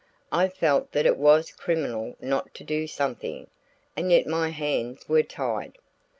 I felt that it was criminal not to do something, and yet my hands were tied.